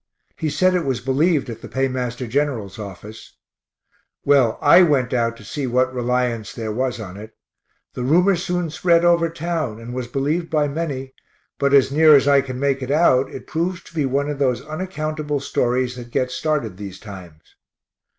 He said it was believed at the paymaster general's office. Well, I went out to see what reliance there was on it. The rumor soon spread over town, and was believed by many but as near as I can make it out, it proves to be one of those unaccountable stories that get started these times.